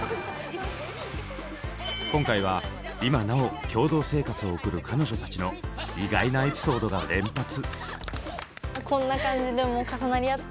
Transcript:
今回は今なお共同生活を送る彼女たちの意外なエピソードが連発！